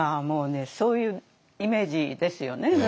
もうねそういうイメージですよね。